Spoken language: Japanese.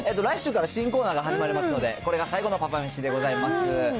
来週から新コーナーが始まりますので、これが最後のパパめしでございます。